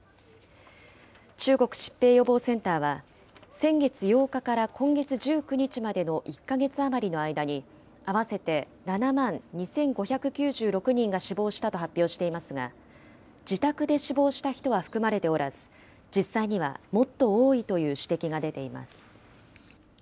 中国疾病予防センターは、先月８日から今月１９日までの１か月余りの間に合わせて７万２５９６人が死亡したと発表していますが、自宅で死亡した人は含まれておらず、実際にはもっと多いという指摘が出ています。